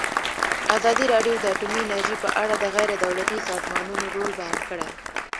ازادي راډیو د اټومي انرژي په اړه د غیر دولتي سازمانونو رول بیان کړی.